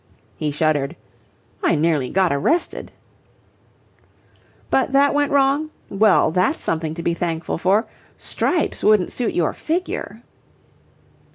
He shuddered. "I nearly got arrested." "But that went wrong? Well, that's something to be thankful for. Stripes wouldn't suit your figure."